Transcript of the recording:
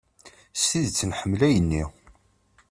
S tidet nḥemmel ayen-nni.